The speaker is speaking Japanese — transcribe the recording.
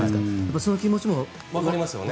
その気持ちも。わかりますよね。